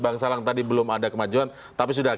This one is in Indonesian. bang salang tadi belum ada kemajuan tapi sudah